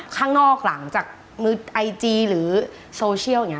ข้างนอกหลังจากมือไอจีหรือโซเชียลอย่างนี้